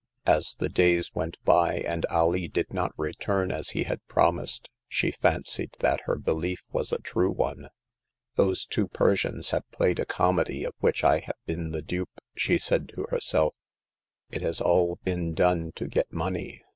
As the days went by, and Alee did not 264 Hagar of the Pawn Shop. return as he had promised, she fancied that her behef was a true one. "Those two Persians have played a comedy of which I have been the dupe/' she said to her self ;it has all been done to get money.